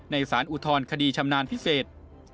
สารอุทธรณคดีชำนาญพิเศษ